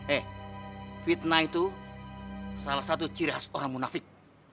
eh fitnah itu salah satu ciri khas orang munafik